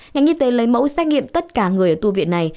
nghị nghi tế lấy mẫu xét nghiệm tất cả người ở tu viện này